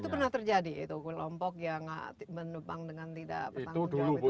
itu pernah terjadi itu kelompok yang menebang dengan tidak bertanggung jawab itu